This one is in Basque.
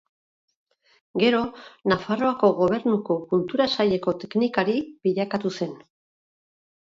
Gero Nafarroako Gobernuko Kultura Saileko teknikari bilakatu zen.